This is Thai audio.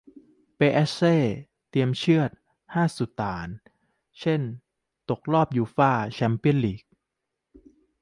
เปแอสเช เตรียมเชือด ห้า ซุปตาร์ เซ่นตกรอบยูฟ่า แชมเปี้ยนส์ ลีก